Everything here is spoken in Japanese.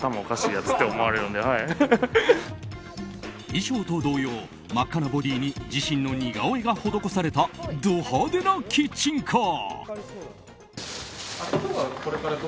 衣装と同様真っ赤なボディーに自身の似顔絵が施されたド派手なキッチンカー。